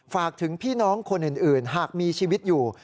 ฝากถึงพี่น้องคนอื่นหากมีชีวิตอยู่